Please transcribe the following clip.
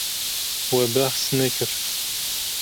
We behs nekir.